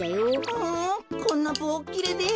ふんこんなぼうっきれで。